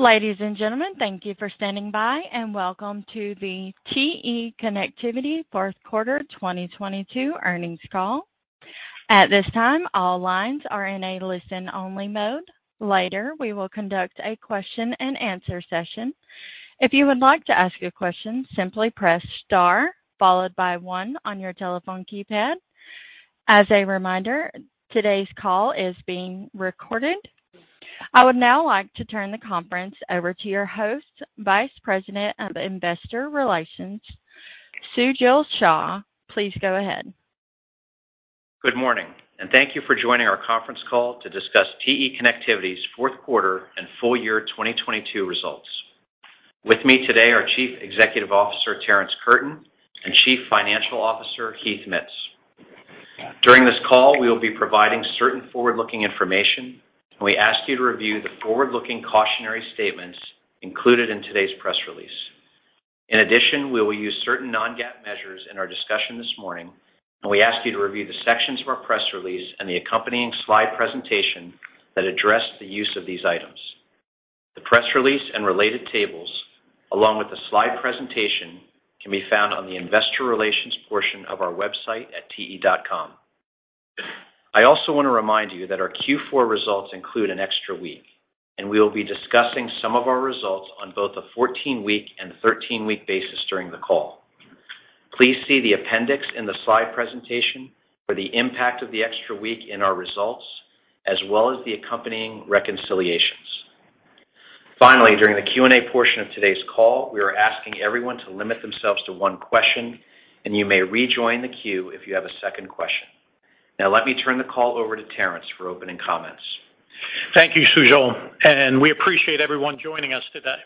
Ladies and gentlemen, thank you for standing by, and welcome to the TE Connectivity fourth quarter 2022 earnings call. At this time, all lines are in a listen-only mode. Later, we will conduct a question-and-answer session. If you would like to ask a question, simply press Star followed by one on your telephone keypad. As a reminder, today's call is being recorded. I would now like to turn the conference over to your host, Vice President of Investor Relations, Sujal Shah. Please go ahead. Good morning, and thank you for joining our conference call to discuss TE Connectivity's fourth quarter and full year 2022 results. With me today are Chief Executive Officer, Terrence Curtin, and Chief Financial Officer, Heath Mitts. During this call, we will be providing certain forward-looking information, and we ask you to review the forward-looking cautionary statements included in today's press release. In addition, we will use certain non-GAAP measures in our discussion this morning, and we ask you to review the sections of our press release and the accompanying slide presentation that address the use of these items. The press release and related tables, along with the slide presentation, can be found on the investor relations portion of our website at te.com. I also want to remind you that our Q4 results include an extra week, and we will be discussing some of our results on both a 14-week and 13-week basis during the call. Please see the appendix in the slide presentation for the impact of the extra week in our results, as well as the accompanying reconciliations. Finally, during the Q&A portion of today's call, we are asking everyone to limit themselves to one question, and you may rejoin the queue if you have a second question. Now let me turn the call over to Terrence for opening comments. Thank you, Sujal. We appreciate everyone joining us today.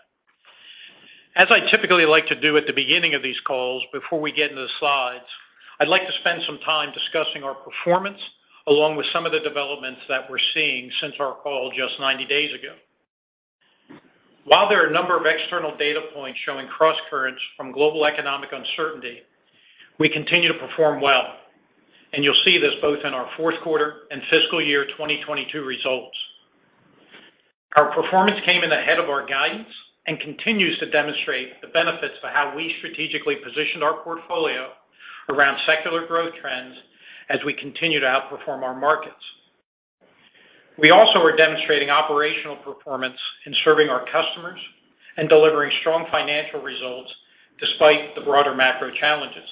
As I typically like to do at the beginning of these calls before we get into the slides, I'd like to spend some time discussing our performance along with some of the developments that we're seeing since our call just 90 days ago. While there are a number of external data points showing crosscurrents from global economic uncertainty, we continue to perform well, and you'll see this both in our fourth quarter and fiscal year 2022 results. Our performance came in ahead of our guidance and continues to demonstrate the benefits for how we strategically positioned our portfolio around secular growth trends as we continue to outperform our markets. We also are demonstrating operational performance in serving our customers and delivering strong financial results despite the broader macro challenges.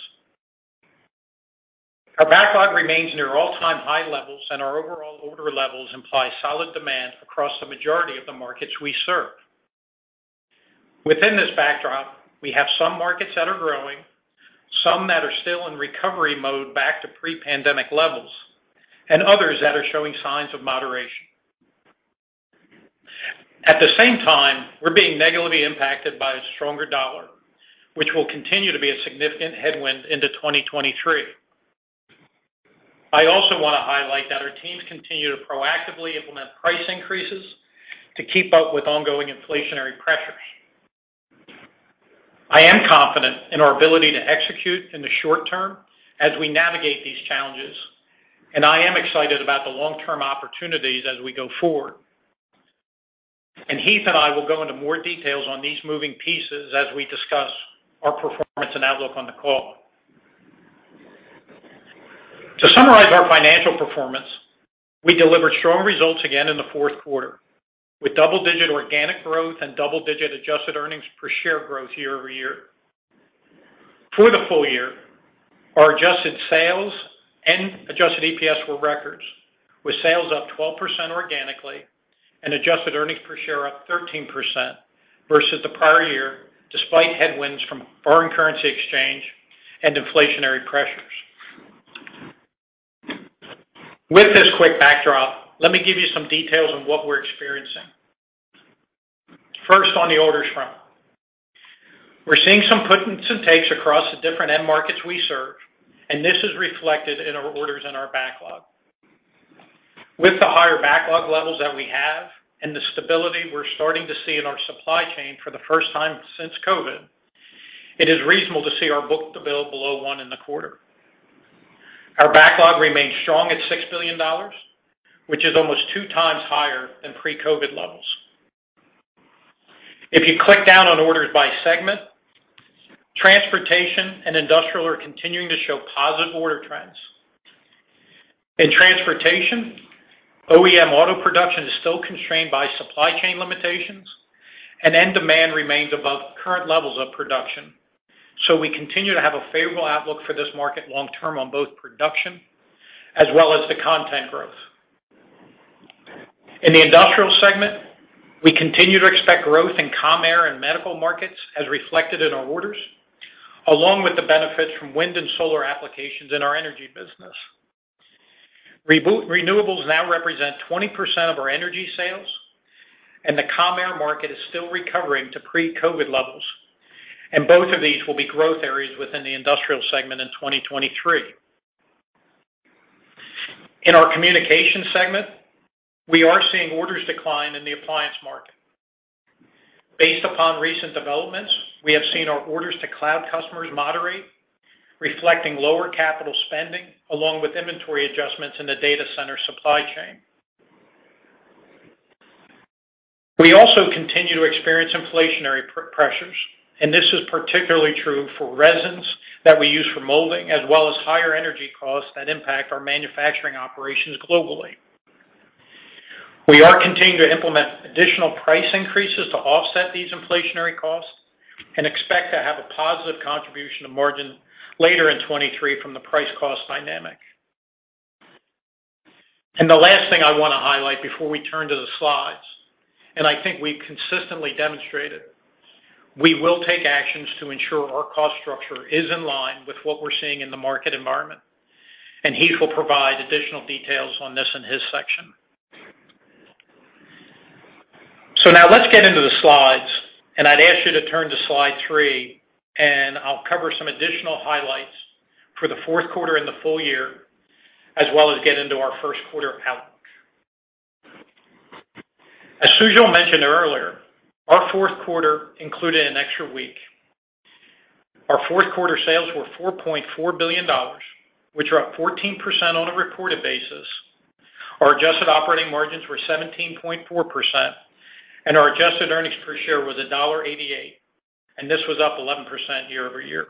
Our backlog remains near all-time high levels, and our overall order levels imply solid demand across the majority of the markets we serve. Within this backdrop, we have some markets that are growing, some that are still in recovery mode back to pre-pandemic levels, and others that are showing signs of moderation. At the same time, we're being negatively impacted by a stronger US dollar, which will continue to be a significant headwind into 2023. I also want to highlight that our teams continue to proactively implement price increases to keep up with ongoing inflationary pressures. I am confident in our ability to execute in the short term as we navigate these challenges, and I am excited about the long-term opportunities as we go forward. Heath and I will go into more details on these moving pieces as we discuss our performance and outlook on the call. To summarize our financial performance, we delivered strong results again in the fourth quarter, with double-digit organic growth and double-digit adjusted earnings per share growth year-over-year. For the full year, our adjusted sales and adjusted EPS were records, with sales up 12% organically and adjusted earnings per share up 13% versus the prior year, despite headwinds from foreign currency exchange and inflationary pressures. With this quick backdrop, let me give you some details on what we're experiencing. First, on the orders front. We're seeing some puts and takes across the different end markets we serve, and this is reflected in our orders in our backlog. With the higher backlog levels that we have and the stability we're starting to see in our supply chain for the first time since COVID, it is reasonable to see our book-to-bill below one in the quarter. Our backlog remains strong at $6 billion, which is almost two times higher than pre-COVID levels. If you drill down on orders by segment, transportation and industrial are continuing to show positive order trends. In transportation, OEM auto production is still constrained by supply chain limitations and end demand remains above current levels of production. We continue to have a favorable outlook for this market long term on both production as well as the content growth. In the industrial segment, we continue to expect growth in Commercial Aerospace and medical markets as reflected in our orders, along with the benefits from wind and solar applications in our energy business. Renewables now represent 20% of our energy sales and the Commercial Aerospace market is still recovering to pre-COVID levels. Both of these will be growth areas within the industrial segment in 2023. In our communication segment, we are seeing orders decline in the appliance market. Based upon recent developments, we have seen our orders to cloud customers moderate. Reflecting lower capital spending along with inventory adjustments in the data center supply chain. We also continue to experience inflationary pressures, and this is particularly true for resins that we use for molding, as well as higher energy costs that impact our manufacturing operations globally. We are continuing to implement additional price increases to offset these inflationary costs and expect to have a positive contribution to margin later in 2023 from the price cost dynamic. The last thing I wanna highlight before we turn to the slides, and I think we've consistently demonstrated, we will take actions to ensure our cost structure is in line with what we're seeing in the market environment, and Heath will provide additional details on this in his section. now let's get into the slides, and I'd ask you to turn to slide three, and I'll cover some additional highlights for the fourth quarter and the full year, as well as get into our first quarter outlook. As Sujal mentioned earlier, our fourth quarter included an extra week. Our fourth quarter sales were $4.4 billion, which are up 14% on a reported basis. Our adjusted operating margins were 17.4%, and our adjusted earnings per share was $1.88, and this was up 11% year-over-year.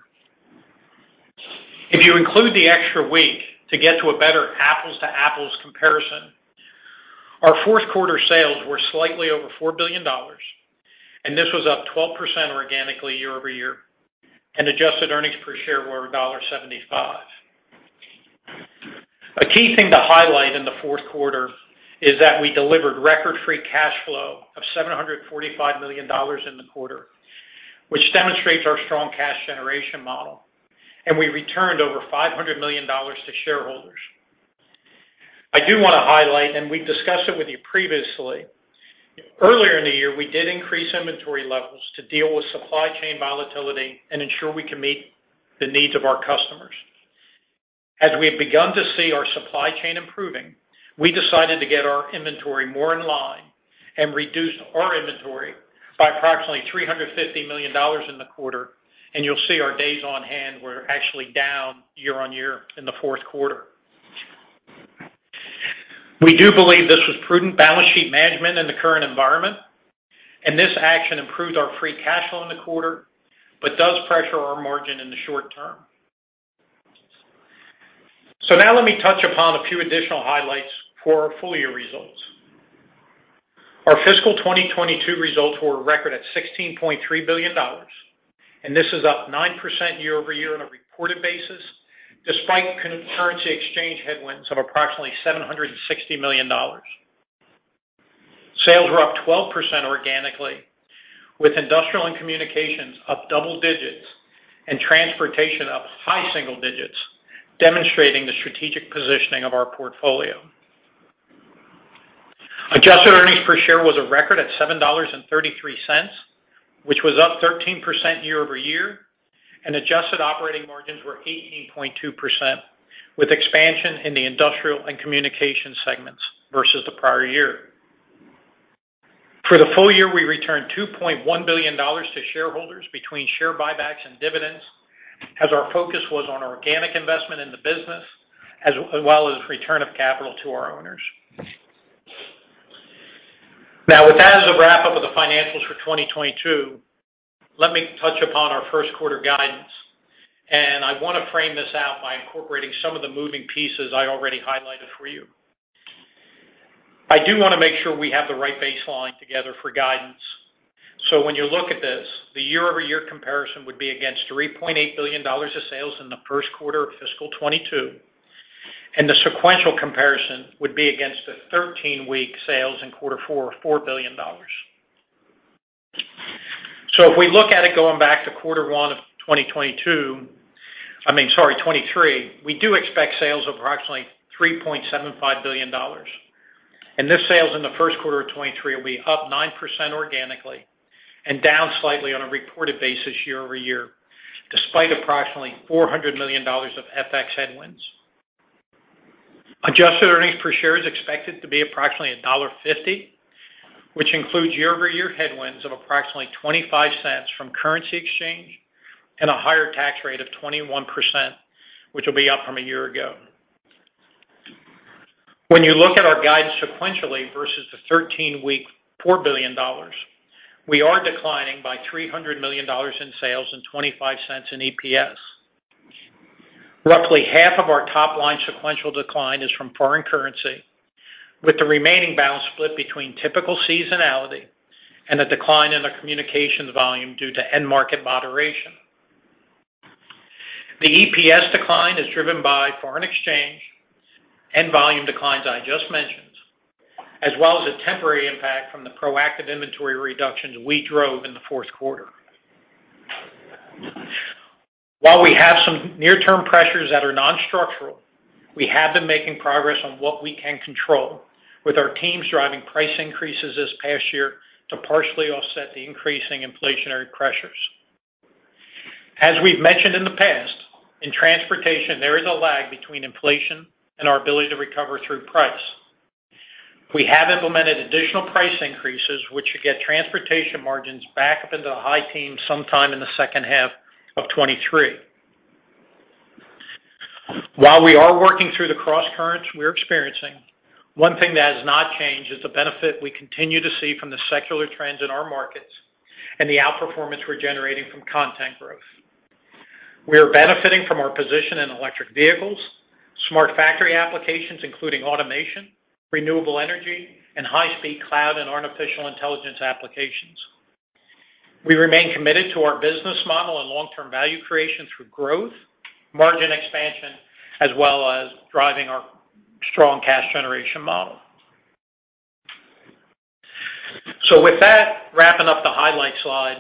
If you include the extra week to get to a better apples to apples comparison, our fourth quarter sales were slightly over $4 billion, and this was up 12% organically year-over-year, and adjusted earnings per share were $1.75. A key thing to highlight in the fourth quarter is that we delivered record free cash flow of $745 million in the quarter, which demonstrates our strong cash generation model, and we returned over $500 million to shareholders. I do wanna highlight, and we've discussed it with you previously. Earlier in the year, we did increase inventory levels to deal with supply chain volatility and ensure we can meet the needs of our customers. As we have begun to see our supply chain improving, we decided to get our inventory more in line and reduce our inventory by approximately $350 million in the quarter. You'll see our days on hand were actually down year-over-year in the fourth quarter. We do believe this was prudent balance sheet management in the current environment, and this action improved our free cash flow in the quarter, but does pressure our margin in the short term. Now let me touch upon a few additional highlights for our full year results. Our fiscal 2022 results were a record at $16.3 billion, and this is up 9% year-over-year on a reported basis, despite currency exchange headwinds of approximately $760 million. Sales were up 12% organically, with industrial and communications up double digits and transportation up high single digits, demonstrating the strategic positioning of our portfolio. Adjusted earnings per share was a record at $7.33, which was up 13% year-over-year, and adjusted operating margins were 18.2%, with expansion in the industrial and communication segments versus the prior year. For the full year, we returned $2.1 billion to shareholders between share buybacks and dividends, as our focus was on organic investment in the business, as well as return of capital to our owners. Now, with that as a wrap up of the financials for 2022, let me touch upon our first quarter guidance. I wanna frame this out by incorporating some of the moving pieces I already highlighted for you. I do wanna make sure we have the right baseline together for guidance. When you look at this, the year-over-year comparison would be against $3.8 billion of sales in the first quarter of fiscal 2022, and the sequential comparison would be against the thirteen-week sales in quarter four of $4 billion. If we look at it going back to quarter one of 2023, we do expect sales of approximately $3.75 billion. This sales in the first quarter of 2023 will be up 9% organically and down slightly on a reported basis year-over-year, despite approximately $400 million of FX headwinds. Adjusted earnings per share is expected to be approximately $1.50, which includes year-over-year headwinds of approximately $0.25 from currency exchange and a higher tax rate of 21%, which will be up from a year ago. When you look at our guidance sequentially versus the 13-week $4 billion, we are declining by $300 million in sales and $0.25 in EPS. Roughly half of our top line sequential decline is from foreign currency, with the remaining balance split between typical seasonality and a decline in the communications volume due to end market moderation. The EPS decline is driven by foreign exchange and volume declines I just mentioned, as well as a temporary impact from the proactive inventory reductions we drove in the fourth quarter. While we have some near term pressures that are non-structural, we have been making progress on what we can control with our teams driving price increases this past year to partially offset the increasing inflationary pressures. As we've mentioned in the past, in transportation, there is a lag between inflation and our ability to recover through price. We have implemented additional price increases, which should get transportation margins back up into the high teens sometime in the second half of 2023. While we are working through the crosscurrents we're experiencing, one thing that has not changed is the benefit we continue to see from the secular trends in our markets and the outperformance we're generating from content growth. We are benefiting from our position in electric vehicles, smart factory applications, including automation, renewable energy, and high-speed cloud and artificial intelligence applications. We remain committed to our business model and long-term value creation through growth, margin expansion, as well as driving our strong cash generation model. With that, wrapping up the highlight slide,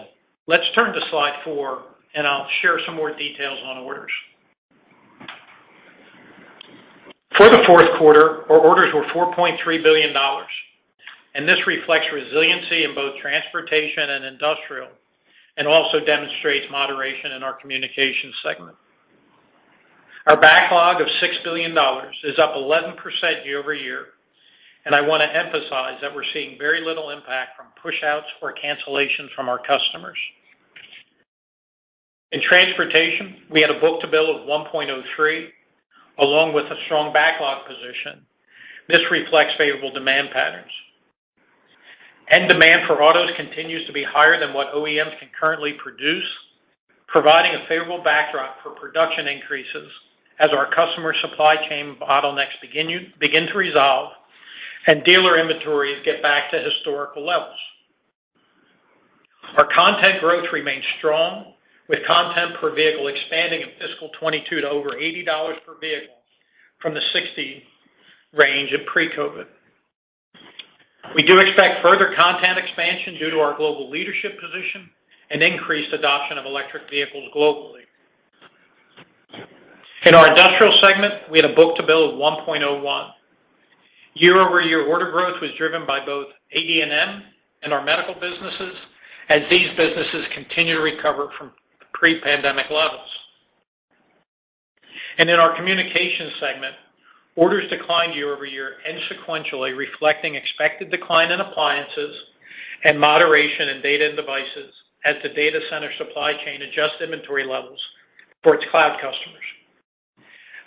let's turn to slide four, and I'll share some more details on orders. For the fourth quarter, our orders were $4.3 billion, and this reflects resiliency in both transportation and industrial, and also demonstrates moderation in our communications segment. Our backlog of $6 billion is up 11% year-over-year, and I wanna emphasize that we're seeing very little impact from pushouts or cancellations from our customers. In transportation, we had a book-to-bill of 1.03, along with a strong backlog position. This reflects favorable demand patterns. End demand for autos continues to be higher than what OEMs can currently produce, providing a favorable backdrop for production increases as our customer supply chain bottlenecks begin to resolve and dealer inventories get back to historical levels. Our content growth remains strong, with content per vehicle expanding in fiscal 2022 to over $80 per vehicle from the 60 range of pre-COVID. We do expect further content expansion due to our global leadership position and increased adoption of electric vehicles globally. In our industrial segment, we had a book-to-bill of 1.01. Year-over-year order growth was driven by both AD&M and our medical businesses, as these businesses continue to recover from pre-pandemic levels. In our communications segment, orders declined year-over-year and sequentially, reflecting expected decline in appliances and moderation in data and devices as the data center supply chain adjusts inventory levels for its cloud customers.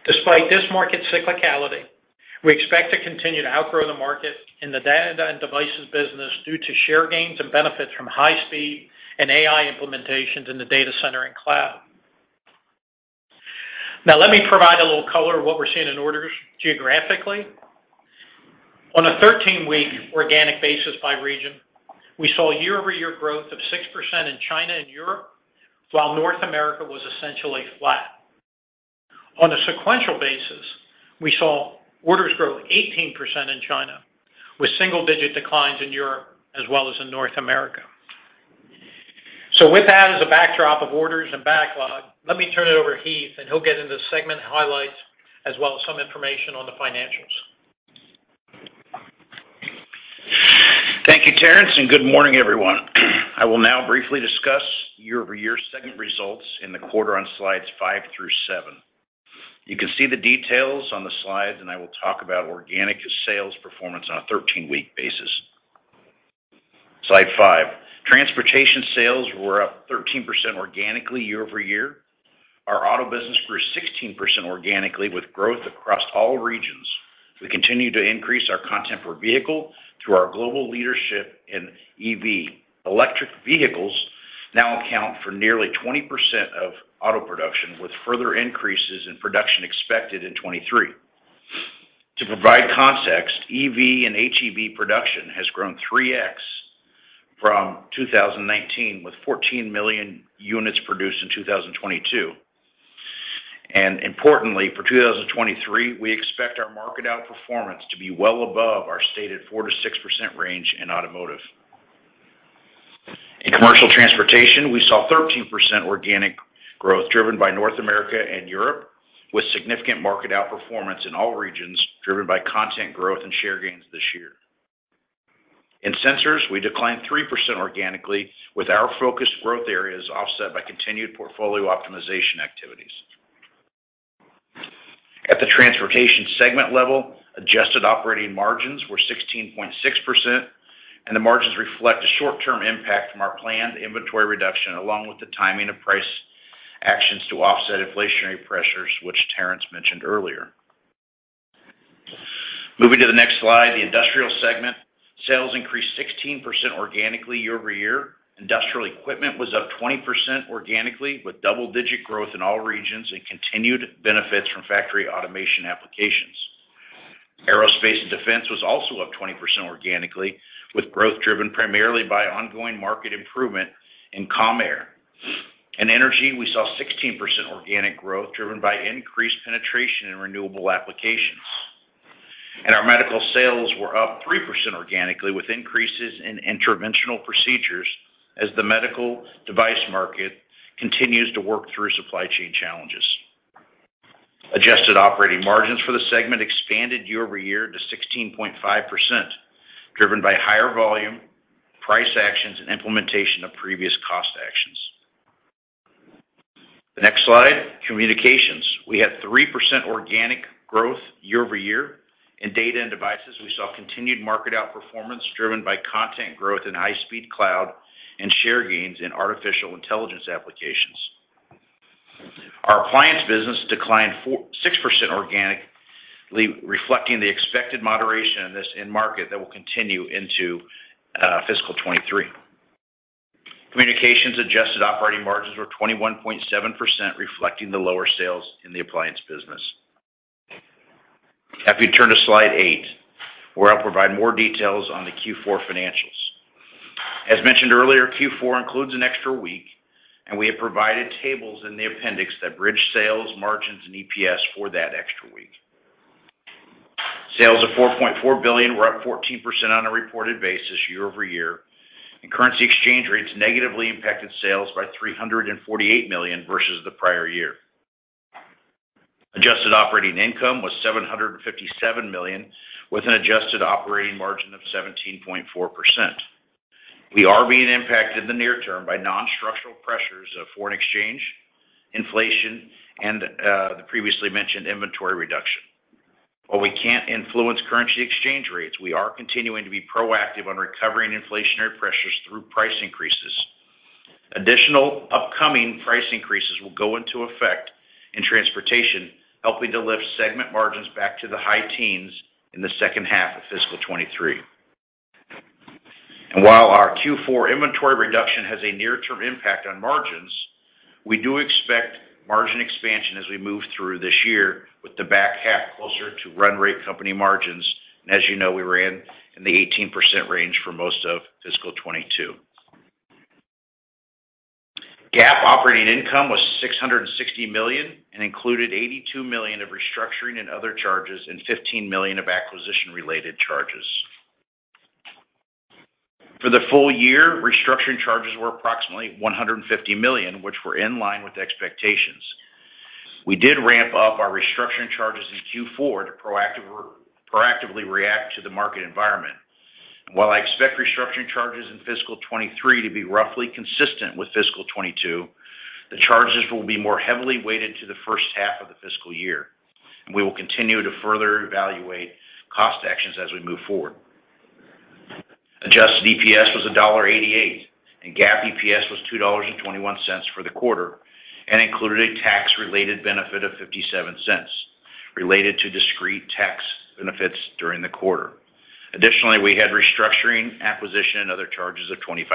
Despite this market cyclicality, we expect to continue to outgrow the market in the data and devices business due to share gains and benefits from high speed and AI implementations in the data center and cloud. Now, let me provide a little color of what we're seeing in orders geographically. On a 13-week organic basis by region, we saw year-over-year growth of 6% in China and Europe, while North America was essentially flat. On a sequential basis, we saw orders grow 18% in China, with single-digit declines in Europe as well as in North America. With that as a backdrop of orders and backlog, let me turn it over to Heath, and he'll get into segment highlights as well as some information on the financials. Thank you, Terrence, and good morning, everyone. I will now briefly discuss year-over-year segment results in the quarter on slides five through seven. You can see the details on the slides, and I will talk about organic sales performance on a 13-week basis. Slide five. Transportation sales were up 13% organically year-over-year. Our auto business grew 16% organically, with growth across all regions. We continue to increase our content per vehicle through our global leadership in EV. Electric vehicles now account for nearly 20% of auto production, with further increases in production expected in 2023. To provide context, EV and HEV production has grown 3x from 2019, with 14 million units produced in 2022. Importantly, for 2023, we expect our market outperformance to be well above our stated 4%-6% range in automotive. In commercial transportation, we saw 13% organic growth, driven by North America and Europe, with significant market outperformance in all regions, driven by content growth and share gains this year. In sensors, we declined 3% organically, with our focused growth areas offset by continued portfolio optimization activities. At the transportation segment level, adjusted operating margins were 16.6%, and the margins reflect the short-term impact from our planned inventory reduction, along with the timing of price actions to offset inflationary pressures, which Terrence mentioned earlier. Moving to the next slide, the industrial segment. Sales increased 16% organically year-over-year. Industrial equipment was up 20% organically, with double-digit growth in all regions and continued benefits from factory automation applications. Aerospace & Defense was also up 20% organically, with growth driven primarily by ongoing market improvement in Commercial Aerospace. In energy, we saw 16% organic growth, driven by increased penetration in renewable applications. Our medical sales were up 3% organically, with increases in interventional procedures as the medical device market continues to work through supply chain challenges. Adjusted operating margins for the segment expanded year-over-year to 16.5%, driven by higher volume, price actions and implementation of previous cost actions. Next slide, communications. We had 3% organic growth year-over-year. In data and devices, we saw continued market outperformance driven by content growth in high-speed cloud and share gains in artificial intelligence applications. Our appliance business declined 6% organically, reflecting the expected moderation of this end market that will continue into fiscal 2023. Communications adjusted operating margins were 21.7%, reflecting the lower sales in the appliance business. Happy to turn to slide eight, where I'll provide more details on the Q4 financials. As mentioned earlier, Q4 includes an extra week, and we have provided tables in the appendix that bridge sales, margins, and EPS for that extra week. Sales of $4.4 billion were up 14% on a reported basis year-over-year, and currency exchange rates negatively impacted sales by $348 million versus the prior year. Adjusted operating income was $757 million, with an adjusted operating margin of 17.4%. We are being impacted in the near term by non-structural pressures of foreign exchange, inflation, and the previously mentioned inventory reduction. While we can't influence currency exchange rates, we are continuing to be proactive on recovering inflationary pressures through price increases. Additional upcoming price increases will go into effect in transportation, helping to lift segment margins back to the high teens in the second half of fiscal 2023. While our Q4 inventory reduction has a near-term impact on margins, we do expect margin expansion as we move through this year with the back half closer to run rate company margins. As you know, we were in the 18% range for most of fiscal 2022. GAAP operating income was $660 million and included $82 million of restructuring and other charges, and $15 million of acquisition-related charges. For the full year, restructuring charges were approximately $150 million, which were in line with expectations. We did ramp up our restructuring charges in Q4 to proactively react to the market environment. While I expect restructuring charges in fiscal 2023 to be roughly consistent with fiscal 2022, the charges will be more heavily weighted to the first half of the fiscal year, and we will continue to further evaluate cost actions as we move forward. Adjusted EPS was $1.88, and GAAP EPS was $2.21 for the quarter and included a tax-related benefit of $0.57 related to discrete tax benefits during the quarter. Additionally, we had restructuring, acquisition, and other charges of $0.25.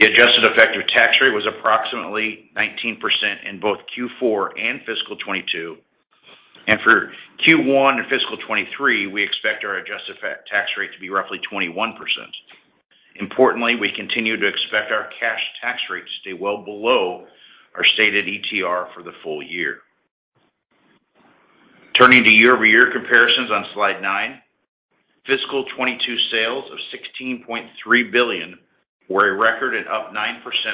The adjusted effective tax rate was approximately 19% in both Q4 and fiscal 2022. For Q1 in fiscal 2023, we expect our adjusted effective tax rate to be roughly 21%. Importantly, we continue to expect our cash tax rate to stay well below our stated ETR for the full year. Turning to year-over-year comparisons on slide nine. Fiscal 2022 sales of $16.3 billion were a record and up 9%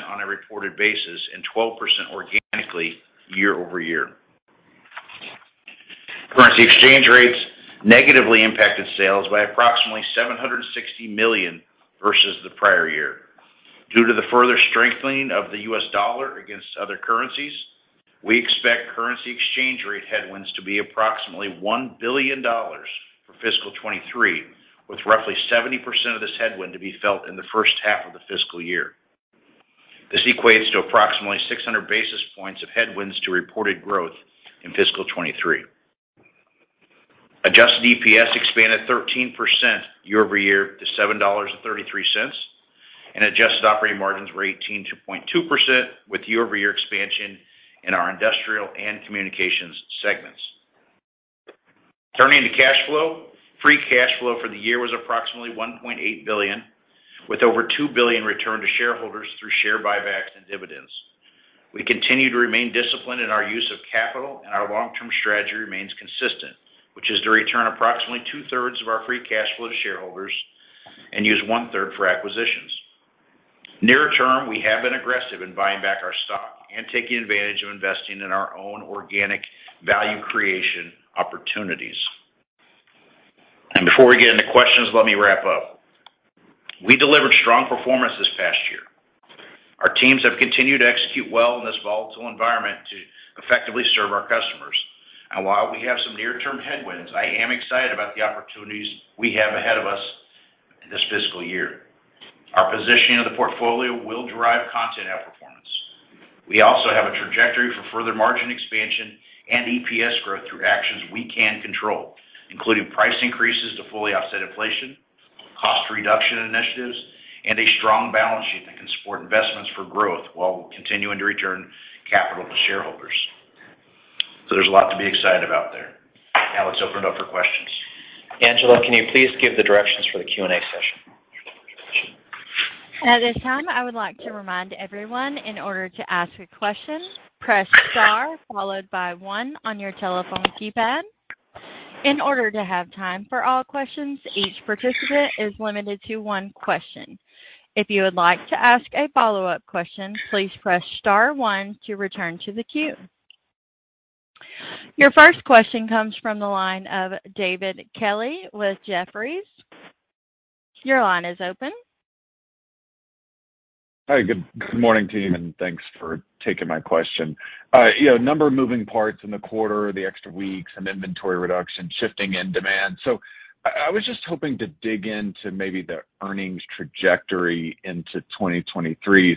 on a reported basis and 12% organically year-over-year. Currency exchange rates negatively impacted sales by approximately $760 million versus the prior year. Due to the further strengthening of the U.S. dollar against other currencies, we expect currency exchange rate headwinds to be approximately $1 billion for Fiscal 2023, with roughly 70% of this headwind to be felt in the first half of the fiscal year. This equates to approximately 600 basis points of headwinds to reported growth in Fiscal 2023. Adjusted EPS expanded 13% year-over-year to $7.33, and adjusted operating margins were 18.2%, with year-over-year expansion in our industrial and communications segments. Turning to cash flow. Free cash flow for the year was approximately $1.8 billion, with over $2 billion returned to shareholders through share buybacks and dividends. We continue to remain disciplined in our use of capital, and our long-term strategy remains consistent, which is to return approximately two-thirds of our free cash flow to shareholders and use one-third for acquisitions. Near term, we have been aggressive in buying back our stock and taking advantage of investing in our own organic value creation opportunities. Before we get into questions, let me wrap up. We delivered strong performance this past year. Our teams have continued to execute well in this volatile environment to effectively serve our customers. While we have some near-term headwinds, I am excited about the opportunities we have ahead of us in this fiscal year. Our positioning of the portfolio will drive content outperformance. We also have a trajectory for further margin expansion and EPS growth through actions we can control, including price increases to fully offset inflation, cost reduction initiatives, and a strong balance sheet that can support investments for growth while continuing to return capital to shareholders. There's a lot to be excited about there. Now let's open it up for questions. Angela, can you please give the directions for the Q&A session? At this time, I would like to remind everyone, in order to ask a question, press star followed by one on your telephone keypad. In order to have time for all questions, each participant is limited to one question. If you would like to ask a follow-up question, please press star one to return to the queue. Your first question comes from the line of David Kelley with Jefferies. Your line is open. Hi, good morning to you, and thanks for taking my question. You know, a number of moving parts in the quarter, the extra weeks and inventory reduction shifting in demand. I was just hoping to dig into maybe the earnings trajectory into 2023.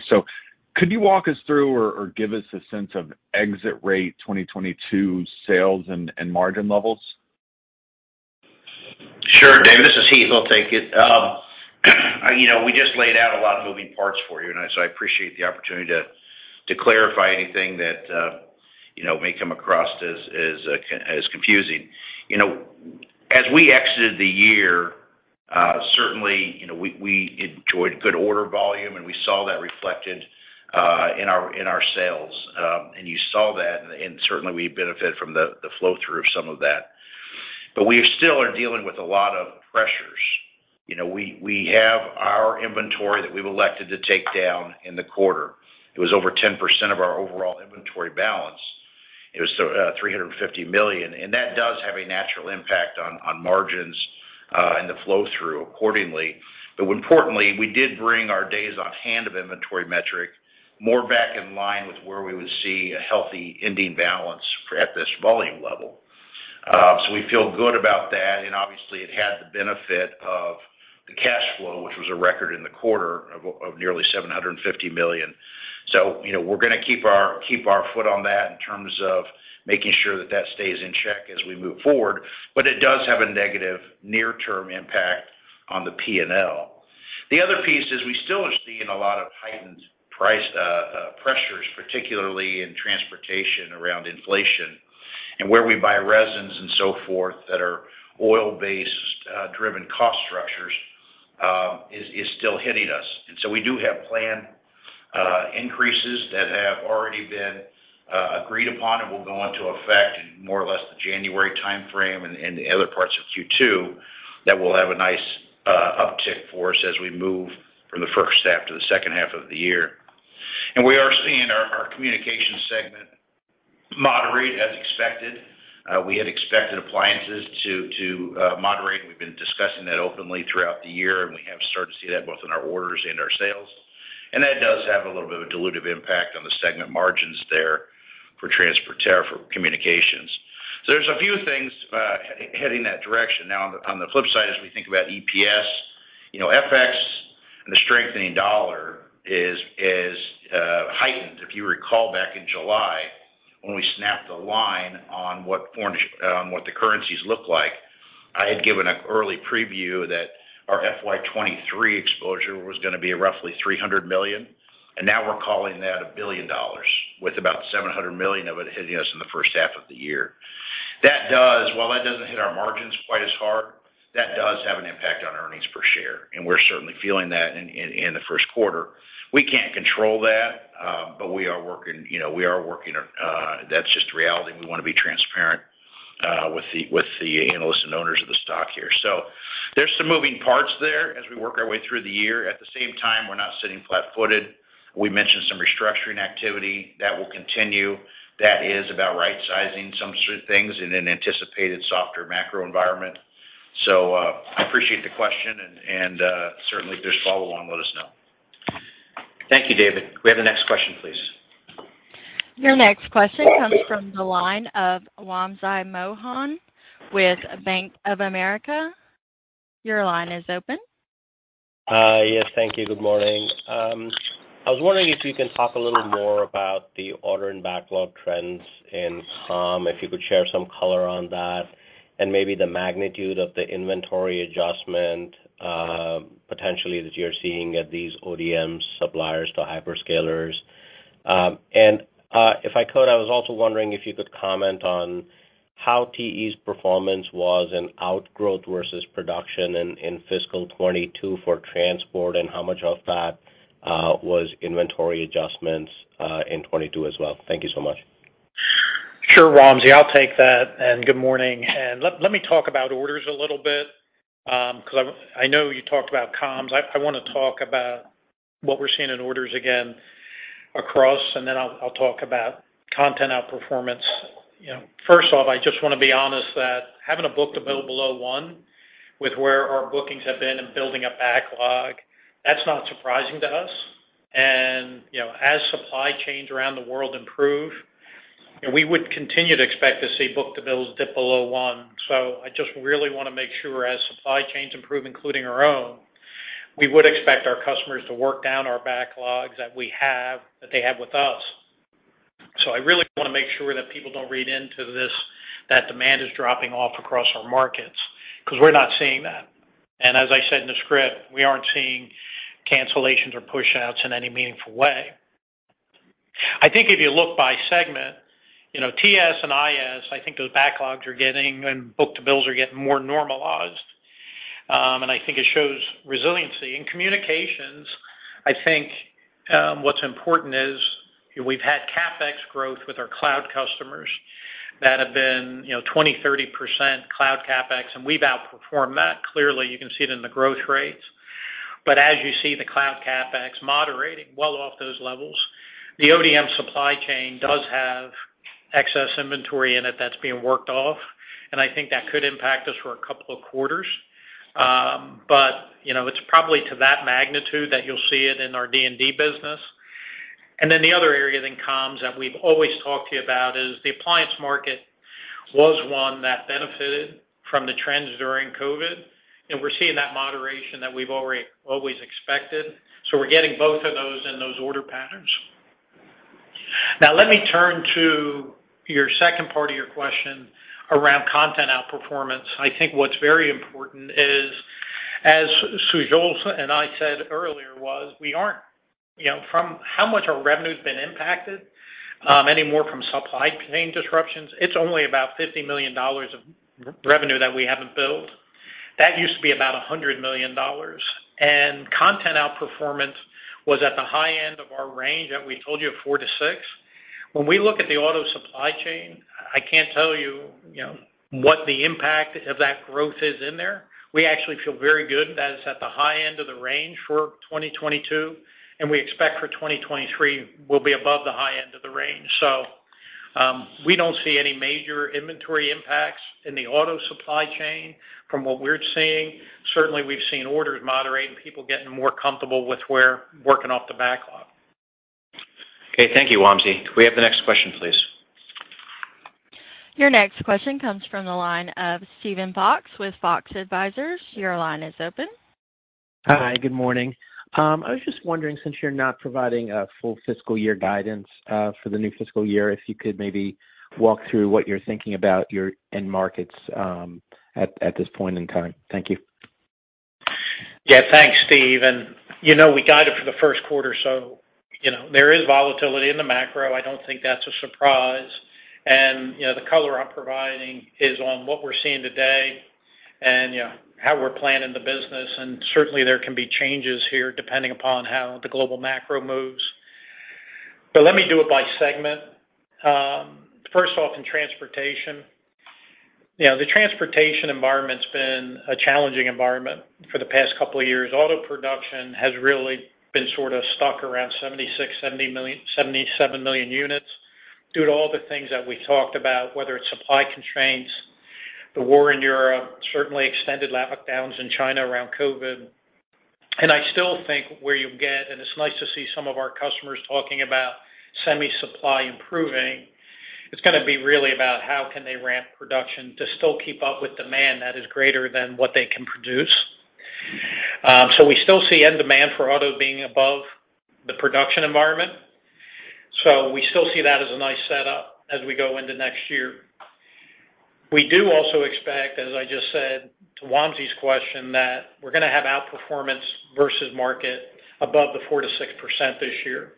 Could you walk us through or give us a sense of exit rate 2022 sales and margin levels? Sure, David. This is Heath. I'll take it. You know, we just laid out a lot of moving parts for you, and so I appreciate the opportunity to clarify anything that you know, may come across as confusing. You know, as we exited the year, certainly, you know, we enjoyed good order volume, and we saw that reflected in our sales. And you saw that, and certainly we benefit from the flow-through of some of that. We still are dealing with a lot of pressures. You know, we have our inventory that we've elected to take down in the quarter. It was over 10% of our overall inventory balance. It was $350 million, and that does have a natural impact on margins and the flow-through accordingly. Importantly, we did bring our days on hand of inventory metric more back in line with where we would see a healthy ending balance at this volume level. We feel good about that, and obviously, it had the benefit of the cash flow, which was a record in the quarter of nearly $750 million. You know, we're gonna keep our foot on that in terms of making sure that that stays in check as we move forward, but it does have a negative near-term impact on the P&L. The other piece is we still are seeing a lot of heightened price pressures, particularly in transportation around inflation. Where we buy resins and so forth that are oil-based driven cost structures is still hitting us. We do have planned increases that have already been agreed upon and will go into effect in more or less the January timeframe and the other parts of Q2 that will have a nice uptick for us as we move from the first half to the second half of the year. We are seeing our communications segment moderate as expected. We had expected appliances to moderate. We've been discussing that openly throughout the year, and we have started to see that both in our orders and our sales. That does have a little bit of a dilutive impact on the segment margins there for communications. There's a few things heading that direction. Now on the flip side, as we think about EPS, you know, FX and the strengthening dollar is heightened. If you recall back in July when we snapped a line on what the currencies look like, I had given an early preview that our FY 2023 exposure was gonna be roughly $300 million, and now we're calling that $1 billion, with about $700 million of it hitting us in the first half of the year. While that doesn't hit our margins quite as hard, that does have an impact on earnings per share, and we're certainly feeling that in the first quarter. We can't control that, but we are working, you know. That's just reality. We wanna be transparent with the analysts and owners of the stock here. There's some moving parts there as we work our way through the year. At the same time, we're not sitting flat-footed. We mentioned some restructuring activity that will continue. That is about rightsizing some certain things in an anticipated softer macro environment. I appreciate the question and certainly if there's follow on, let us know. Thank you, David. Can we have the next question, please? Your next question comes from the line of Wamsi Mohan with Bank of America. Your line is open. Yes, thank you. Good morning. I was wondering if you can talk a little more about the order and backlog trends in comm, if you could share some color on that, and maybe the magnitude of the inventory adjustment, potentially that you're seeing at these ODM suppliers to hyperscalers. If I could, I was also wondering if you could comment on how TE's performance was in outgrowth versus production in fiscal 2022 for transport, and how much of that was inventory adjustments in 2022 as well. Thank you so much. Sure, Wamsi. I'll take that, and good morning. Let me talk about orders a little bit, 'cause I know you talked about comms. I wanna talk about what we're seeing in orders again across, and then I'll talk about content outperformance. You know, first off, I just wanna be honest that having a book-to-bill below one with where our bookings have been and building a backlog, that's not surprising to us. You know, as supply chains around the world improve, you know, we would continue to expect to see book-to-bills dip below one. I just really wanna make sure as supply chains improve, including our own, we would expect our customers to work down our backlogs that we have, that they have with us. I really wanna make sure that people don't read into this, that demand is dropping off across our markets, 'cause we're not seeing that. As I said in the script, we aren't seeing cancellations or pushouts in any meaningful way. I think if you look by segment, you know, TS and IS, I think those backlogs are getting, and book-to-bills are getting more normalized. I think it shows resiliency. In communications, I think, what's important is, you know, we've had CapEx growth with our cloud customers that have been, you know, 20%-30% cloud CapEx, and we've outperformed that. Clearly, you can see it in the growth rates. As you see the cloud CapEx moderating well off those levels, the ODM supply chain does have excess inventory in it that's being worked off, and I think that could impact us for a couple of quarters. You know, it's probably to that magnitude that you'll see it in our D&D business. Then the other area then comms that we've always talked to you about is the appliance market was one that benefited from the trends during COVID, and we're seeing that moderation that we've already always expected. We're getting both of those in those order patterns. Now let me turn to your second part of your question around content outperformance. I think what's very important is, as Sujal and I said earlier, we aren't, you know, from how much our revenue's been impacted any more from supply chain disruptions. It's only about $50 million of revenue that we haven't built. That used to be about $100 million. Content outperformance was at the high end of our range that we told you of four-six. When we look at the auto supply chain, I can't tell you know, what the impact of that growth is in there. We actually feel very good that it's at the high end of the range for 2022, and we expect for 2023 will be above the high end of the range. We don't see any major inventory impacts in the auto supply chain from what we're seeing. Certainly, we've seen orders moderate and people getting more comfortable with where working off the backlog. Okay. Thank you, Wamsi. Could we have the next question, please? Your next question comes from the line of Steven Fox with Fox Advisors. Your line is open. Hi, good morning. I was just wondering, since you're not providing a full fiscal year guidance, for the new fiscal year, if you could maybe walk through what you're thinking about your end markets, at this point in time. Thank you. Yeah. Thanks, Steve. You know, we guided for the first quarter, so, you know, there is volatility in the macro. I don't think that's a surprise. You know, the color I'm providing is on what we're seeing today and, you know, how we're planning the business. Certainly, there can be changes here depending upon how the global macro moves. Let me do it by segment. First off, in transportation. You know, the transportation environment's been a challenging environment for the past couple of years. Auto production has really been sort of stuck around 76-77 million units due to all the things that we talked about, whether it's supply constraints, the war in Europe, certainly extended lockdowns in China around COVID. I still think where you'll get, and it's nice to see some of our customers talking about semi supply improving, it's gonna be really about how can they ramp production to still keep up with demand that is greater than what they can produce. We still see end demand for auto being above the production environment, so we still see that as a nice setup as we go into next year. We do also expect, as I just said to Wamsi's question, that we're gonna have outperformance versus market above the 4%-6% this year.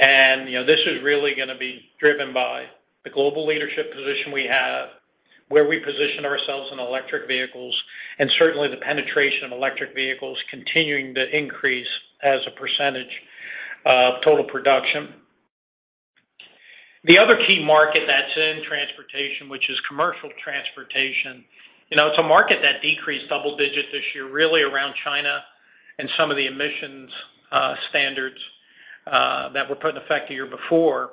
You know, this is really gonna be driven by the global leadership position we have, where we position ourselves in electric vehicles, and certainly the penetration of electric vehicles continuing to increase as a percentage of total production. The other key market that's in transportation, which is commercial transportation, you know, it's a market that decreased double digits this year, really around China and some of the emissions standards that were put in effect the year before.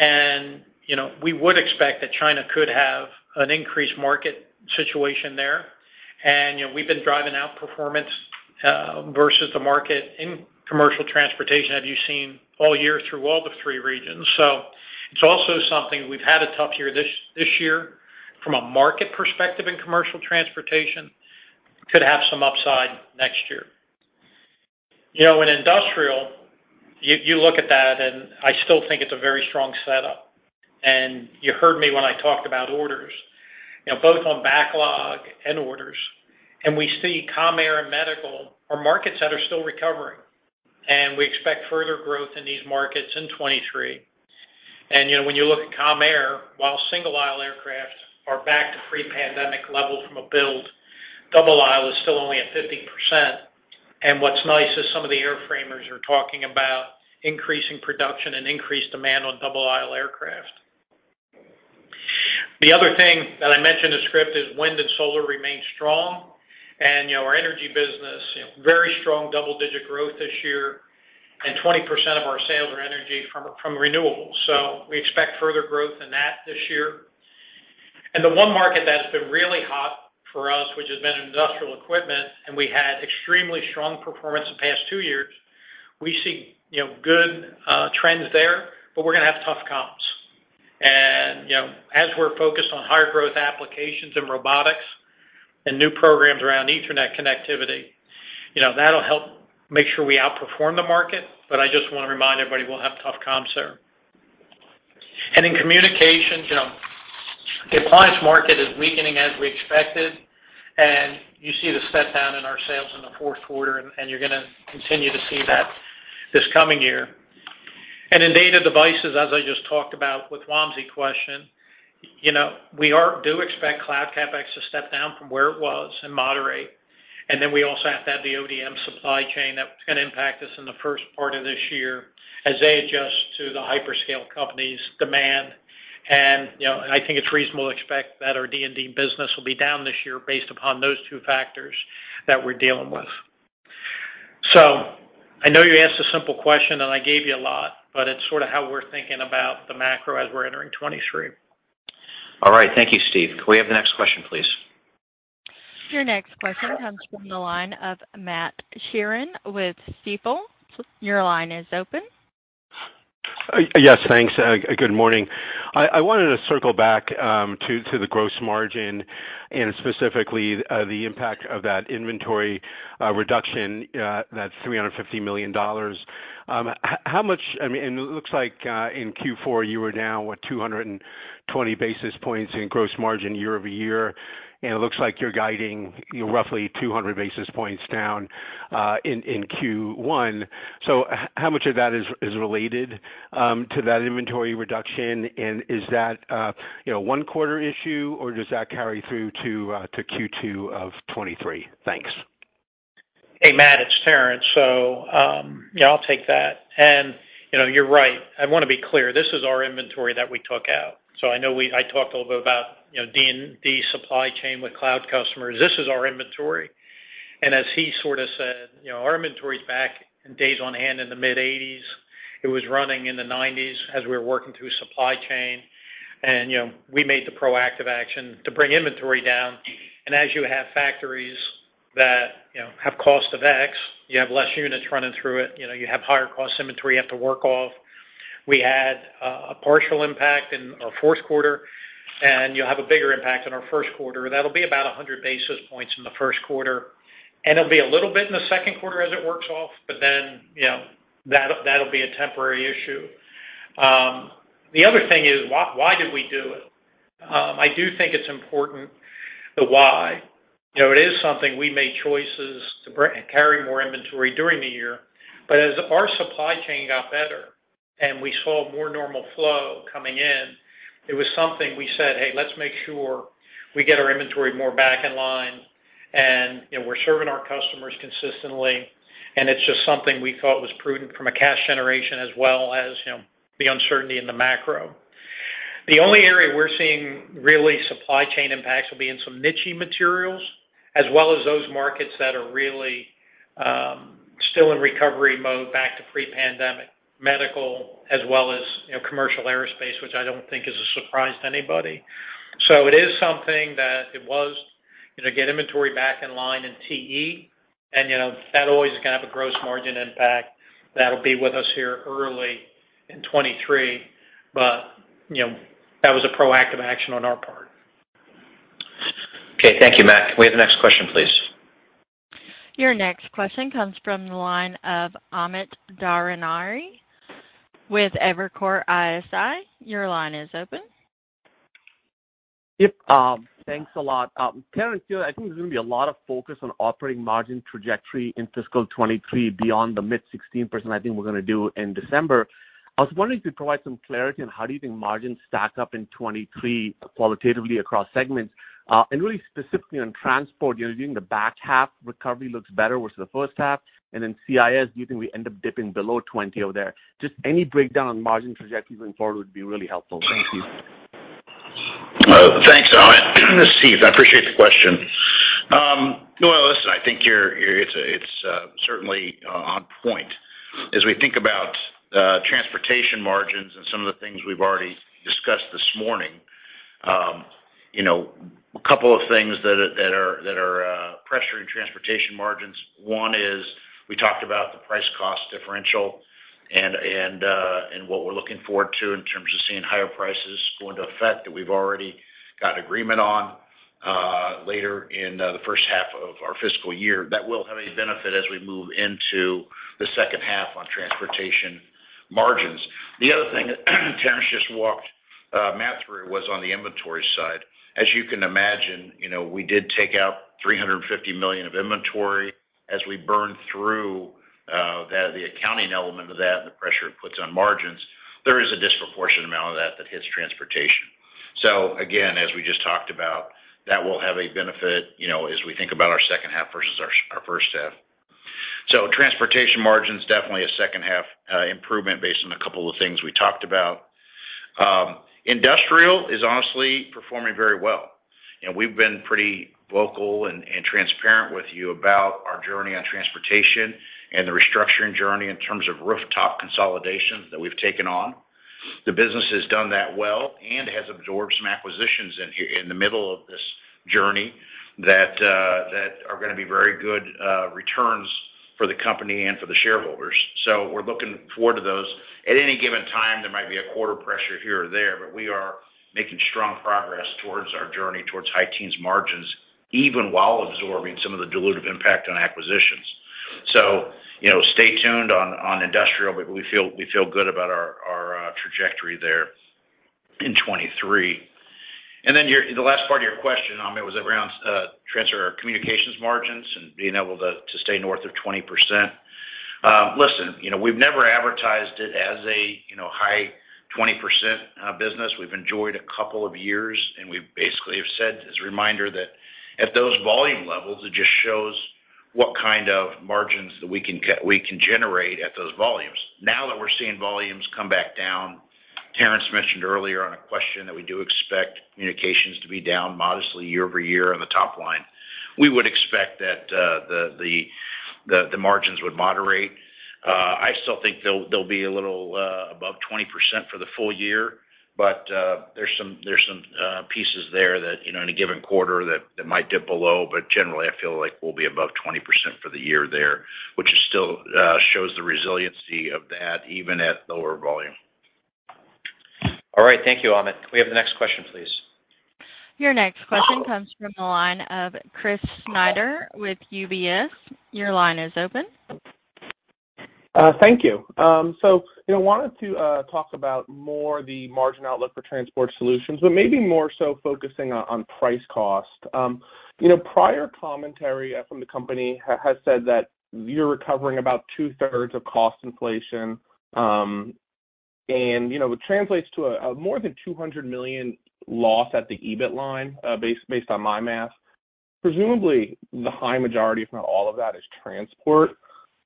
You know, we would expect that China could have an increased market situation there. You know, we've been driving outperformance versus the market in commercial transportation, as you've seen all year through all the three regions. It's also something we've had a tough year this year from a market perspective in commercial transportation. Could have some upside next year. You know, in industrial, you look at that, and I still think it's a very strong setup. You heard me when I talked about orders, you know, both on backlog and orders. We see Commercial Aerospace and medical are markets that are still recovering, and we expect further growth in these markets in 2023. You know, when you look at Commercial Aerospace, while single-aisle aircraft are back to pre-pandemic levels from a build, double-aisle is still only at 50%. What's nice is some of the airframers are talking about increasing production and increased demand on double-aisle aircraft. The other thing that I mentioned in the script is wind and solar remain strong. You know, our energy business, you know, very strong double-digit growth this year, and 20% of our sales are energy from renewables. We expect further growth in that this year. The one market that has been really hot for us, which has been industrial equipment, and we had extremely strong performance the past two years, we see, you know, good trends there, but we're gonna have tough comps. You know, as we're focused on higher growth applications in robotics and new programs around Ethernet connectivity, you know, that'll help make sure we outperform the market. I just wanna remind everybody we'll have tough comps there. In communications, you know, the appliance market is weakening as we expected, and you see the step down in our sales in the fourth quarter, and you're gonna continue to see that this coming year. In data devices, as I just talked about with Wamsi's question, you know, we do expect cloud CapEx to step down from where it was and moderate. We also have to have the ODM supply chain that's gonna impact us in the first part of this year as they adjust to the hyperscale company's demand. You know, I think it's reasonable to expect that our D&D business will be down this year based upon those two factors that we're dealing with. I know you asked a simple question, and I gave you a lot, but it's sort of how we're thinking about the macro as we're entering 2023. All right. Thank you, Steve. Can we have the next question, please? Your next question comes from the line of Matt Sheerin with Stifel. Your line is open. Yes, thanks. Good morning. I wanted to circle back to the gross margin and specifically the impact of that inventory reduction that's $350 million. How much of that is related to that inventory reduction? I mean, it looks like in Q4 you were down 220 basis points in gross margin year-over-year, and it looks like you're guiding roughly 200 basis points down in Q1. And is that you know one quarter issue or does that carry through to Q2 of 2023? Thanks. Hey, Matt, it's Terrence. Yeah, I'll take that. You know, you're right. I wanna be clear, this is our inventory that we took out. I know I talked a little bit about, you know, D&D supply chain with cloud customers. This is our inventory. As he sort of said, you know, our inventory is back to days on hand in the mid-80s. It was running in the 90s as we were working through supply chain. You know, we made the proactive action to bring inventory down. As you have factories that, you know, have fixed costs, you have less units running through it. You know, you have higher cost inventory you have to work off. We had a partial impact in our fourth quarter, and you'll have a bigger impact in our first quarter. That'll be about 100 basis points in the first quarter, and it'll be a little bit in the second quarter as it works off, but then, you know, that'll be a temporary issue. The other thing is why did we do it? I do think it's important the why. You know, it is something we made choices to carry more inventory during the year. But as our supply chain got better and we saw more normal flow coming in, it was something we said, "Hey, let's make sure we get our inventory more back in line." You know, we're serving our customers consistently, and it's just something we thought was prudent from a cash generation as well as, you know, the uncertainty in the macro. The only area we're seeing really supply chain impacts will be in some niche-y materials as well as those markets that are really still in recovery mode back to pre-pandemic medical as well as, you know, commercial aerospace, which I don't think is a surprise to anybody. It is something that was, you know, get inventory back in line in TE, and, you know, that always is gonna have a gross margin impact that'll be with us here early in 2023. That was a proactive action on our part. Okay. Thank you, Matt. Can we have the next question, please? Your next question comes from the line of Amit Daryanani with Evercore ISI. Your line is open. Yep. Thanks a lot. Terrence, you know, I think there's gonna be a lot of focus on operating margin trajectory in fiscal 2023 beyond the mid 16% I think we're gonna do in December. I was wondering if you could provide some clarity on how do you think margins stack up in 2023 qualitatively across segments. Really specifically on transport, you know, doing the back half recovery looks better versus the first half. Then CIS, do you think we end up dipping below 20% over there? Just any breakdown on margin trajectories going forward would be really helpful. Thank you. Thanks, Amit. This is Heath. I appreciate the question. Well, listen, I think it's certainly on point. As we think about transportation margins and some of the things we've already discussed this morning, you know, a couple of things that are pressuring transportation margins. One is we talked about the price cost differential and what we're looking forward to in terms of seeing higher prices going to affect that we've already got agreement on later in the first half of our fiscal year. That will have a benefit as we move into the second half on transportation margins. The other thing Terrence just walked Matt through was on the inventory side. As you can imagine, you know, we did take out $350 million of inventory as we burned through the accounting element of that and the pressure it puts on margins. There is a disproportionate amount of that that hits transportation. Again, as we just talked about, that will have a benefit, you know, as we think about our second half versus our first half. Transportation margin's definitely a second half improvement based on a couple of things we talked about. Industrial is honestly performing very well. You know, we've been pretty vocal and transparent with you about our journey on transportation and the restructuring journey in terms of rooftop consolidations that we've taken on. The business has done that well and has absorbed some acquisitions in the middle of this journey that are gonna be very good returns for the company and for the shareholders. We're looking forward to those. At any given time, there might be a quarter pressure here or there, but we are making strong progress towards our journey towards high-teens margins, even while absorbing some of the dilutive impact on acquisitions. You know, stay tuned on industrial, but we feel good about our trajectory there in 2023. The last part of your question, Amit, was around the future of our communications margins and being able to stay north of 20%. Listen, you know, we've never advertised it as a, you know, high 20% business. We've enjoyed a couple of years, and we basically have said as a reminder that at those volume levels, it just shows what kind of margins that we can generate at those volumes. Now that we're seeing volumes come back down, Terrence mentioned earlier on a question that we do expect communications to be down modestly year-over-year on the top line. We would expect that, the margins would moderate. I still think they'll be a little above 20% for the full year, but there's some pieces there that, you know, in a given quarter that might dip below. But generally, I feel like we'll be above 20% for the year there, which is still shows the resiliency of that even at lower volume. All right. Thank you, Amit. Can we have the next question, please? Your next question comes from the line of Chris Snyder with UBS. Your line is open. Thank you. You know, wanted to talk about more the margin outlook for transport solutions, but maybe more so focusing on price cost. You know, prior commentary from the company has said that you're recovering about two-thirds of cost inflation, and you know, it translates to a more than $200 million loss at the EBIT line, based on my math. Presumably, the high majority, if not all of that, is transport.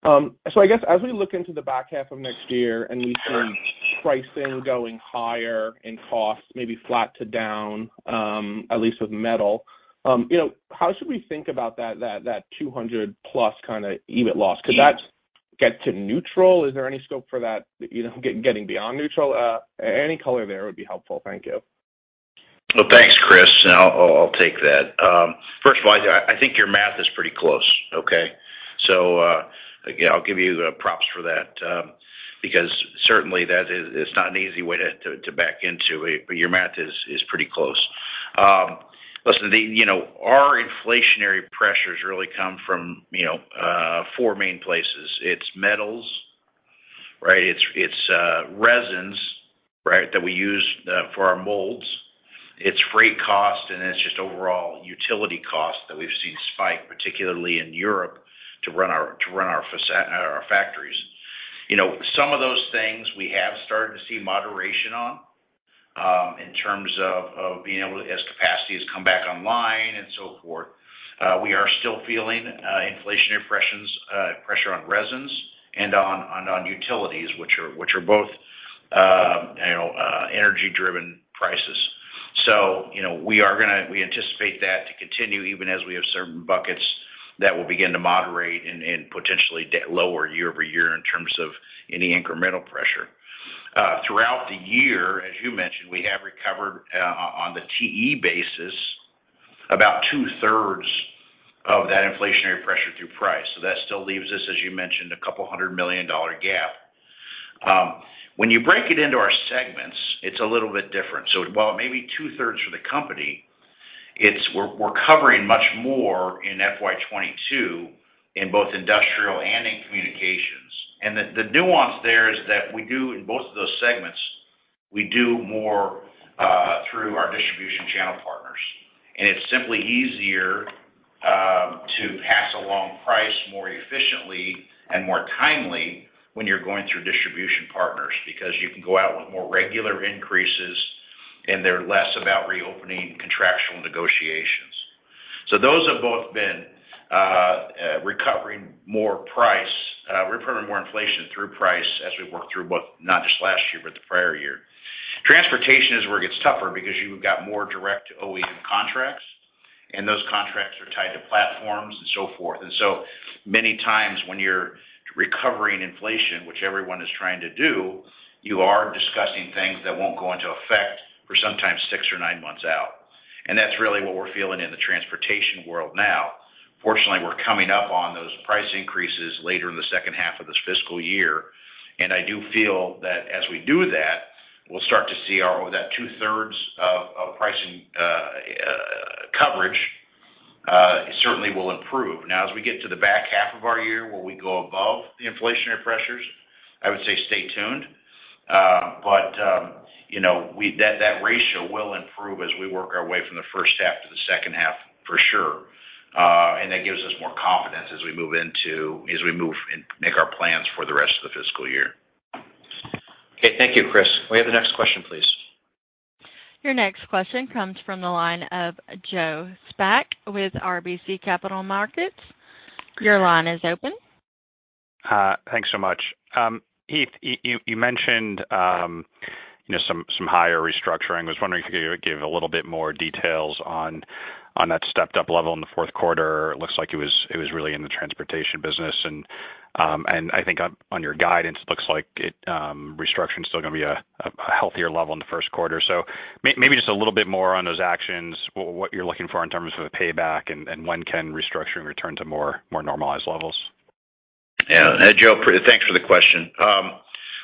I guess as we look into the back half of next year and we see pricing going higher and costs maybe flat to down, at least with metal, you know, how should we think about that $200+ million kinda EBIT loss? Could that get to neutral? Is there any scope for that, you know, getting beyond neutral? Any color there would be helpful. Thank you. Well, thanks, Chris. I'll take that. First of all, I think your math is pretty close, okay? Again, I'll give you the props for that, because certainly it's not an easy way to back into it, but your math is pretty close. Listen, you know, our inflationary pressures really come from, you know, four main places. It's metals, right? It's resins, right, that we use for our molds. It's freight cost, and it's just overall utility costs that we've seen spike, particularly in Europe, to run our factories. You know, some of those things we have started to see moderation on, in terms of being able to, as capacity has come back online and so forth. We are still feeling inflationary pressures, pressure on resins and on utilities, which are both, you know, energy-driven prices. You know, we anticipate that to continue, even as we have certain buckets that will begin to moderate and potentially lower year-over-year in terms of any incremental pressure. Throughout the year, as you mentioned, we have recovered on the TE basis, about two-thirds of that inflationary pressure through price. That still leaves us, as you mentioned, $200 million gap. When you break it into our segments, it's a little bit different. While it may be two-thirds for the company, it's we're covering much more in FY 2022 in both industrial and in communications. The nuance there is that we do, in both of those segments, we do more through our distribution channel partners. It's simply easier to pass along price more efficiently and more timely when you're going through distribution partners, because you can go out with more regular increases, and they're less about reopening contractual negotiations. Those have both been recovering more price, recovering more inflation through price as we work through both, not just last year, but the prior year. Transportation is where it gets tougher because you've got more direct OEM contracts, and those contracts are tied to platforms and so forth. So many times when you're recovering inflation, which everyone is trying to do, you are discussing things that won't go into effect for sometimes six or nine months out. That's really what we're feeling in the transportation world now. Fortunately, we're coming up on those price increases later in the second half of this fiscal year. I do feel that as we do that, we'll start to see that two-thirds of pricing coverage certainly will improve. Now, as we get to the back half of our year where we go above the inflationary pressures, I would say stay tuned. You know, that ratio will improve as we work our way from the first half to the second half for sure. That gives us more confidence as we move and make our plans for the rest of the fiscal year. Okay. Thank you, Chris. Can we have the next question, please? Your next question comes from the line of Joseph Spak with RBC Capital Markets. Your line is open. Thanks so much. Heath, you mentioned, you know, some higher restructuring. I was wondering if you could give a little bit more details on that stepped up level in the fourth quarter. It looks like it was really in the transportation business and I think on your guidance, it looks like restructuring is still gonna be a healthier level in the first quarter. Maybe just a little bit more on those actions, what you're looking for in terms of a payback and when can restructuring return to more normalized levels? Yeah. Joe, thanks for the question.